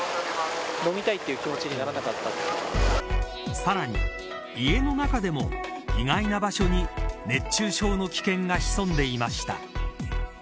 さらに、家の中でも意外な場所に熱中症の危険が潜んでいました。